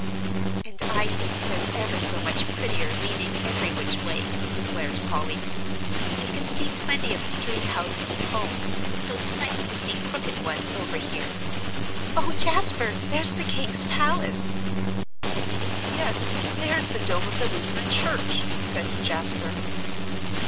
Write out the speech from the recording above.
"And I think they're ever so much prettier leaning every which way," declared Polly. "We can see plenty of straight houses at home, so it's nice to see crooked ones over here. Oh, Jasper, there's the King's palace!" "Yes and there is the dome of the Lutheran Church," said Jasper.